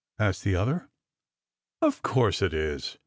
asked the other. " Of course it is.